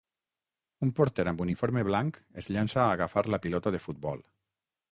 Un porter amb uniforme blanc es llança a agafar la pilota de futbol.